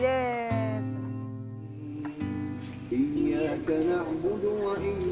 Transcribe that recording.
jambu dua iya kanu seling